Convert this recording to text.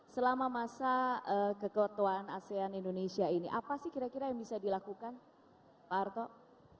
selama masa keketuaan asean indonesia ini apa sih kira kira yang bisa dilakukan pak arto